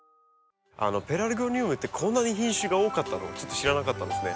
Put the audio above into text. ペラルゴニウムってこんなに品種が多かったのはちょっと知らなかったですね。